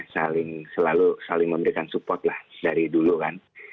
saling selalu saling memberikan support lah dari dulu kan